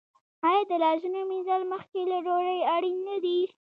آیا د لاسونو مینځل مخکې له ډوډۍ اړین نه دي؟